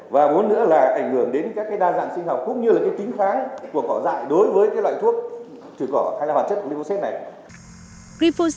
và bốn nữa là ảnh hưởng đến các đa dạng sinh học cũng như là tính kháng của cỏ dại đối với loại thuốc chứa cỏ hay là hóa chất của glyphosate này